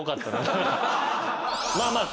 まあまあ。